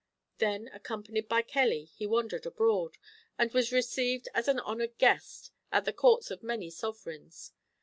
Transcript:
Then, accompanied by Kelly, he wandered abroad, and was received as an honoured guest at the courts of many sovereigns.